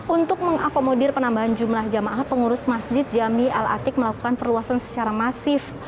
untuk mengakomodir penambahan jumlah jamaah pengurus masjid jami al atik melakukan perluasan secara masif